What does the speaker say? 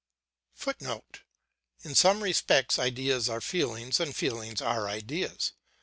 [Footnote: In some respects ideas are feelings and feelings are ideas.